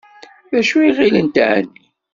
D acu i ɣilent εni?